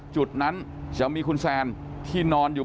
จุดนั้นจะมีคุณแซนที่นอนอยู่